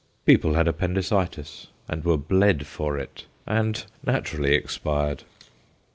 People had appendicitis and were bled for it, and naturally expired.